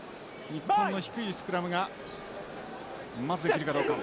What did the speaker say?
日本の低いスクラムがまずできるかどうか。